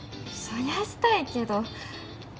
そりゃしたいけど。